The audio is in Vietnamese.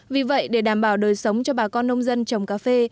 vì vậy để đảm bảo đời sống cho bà con nông dân trồng cà phê